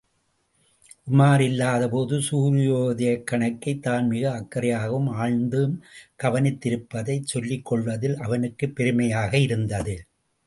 உமார் இல்லாத போது சூரியோதயக் கணக்கை தான் மிக அக்கறையாகவும் ஆழ்ந்தும் கவனித்திருப்பதைச் சொல்லிக் கொள்வதில் அவனுக்குப் பெருமையாக இருந்தது.